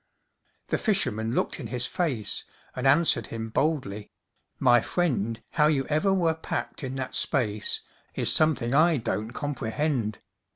The fisherman looked in his face, And answered him boldly: "My friend, How you ever were packed in that space Is something I don't comprehend.